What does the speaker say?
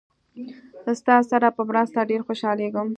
ستاسې سره په مرسته ډېر خوشحالیږم.